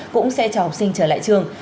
cũng sẽ cho học sinh trở lại trường